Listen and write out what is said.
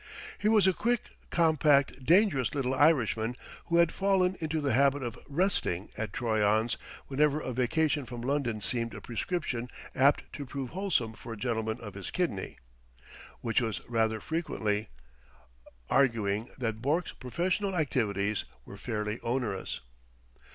He was a quick, compact, dangerous little Irishman who had fallen into the habit of "resting" at Troyon's whenever a vacation from London seemed a prescription apt to prove wholesome for a gentleman of his kidney; which was rather frequently, arguing that Bourke's professional activities were fairly onerous.